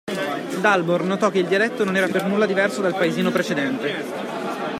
Dalmor notò che il dialetto non era per nulla diverso dal paesino precedente.